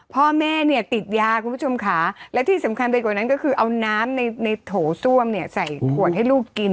พ่อแม่เนี่ยติดยาคุณผู้ชมค่ะและที่สำคัญไปกว่านั้นก็คือเอาน้ำในโถส้วมเนี่ยใส่ขวดให้ลูกกิน